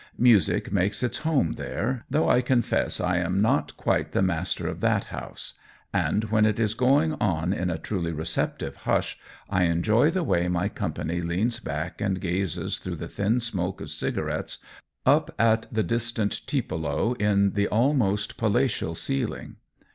Music makes its home there, though I confess I am not quite the master oithat house; and when it is go ing on in a truly receptive hush, I enjoy the way my company leans back and gazes through the thin smoke of cigarettes up at the distant Tiepolo in the almost palatial ceiling.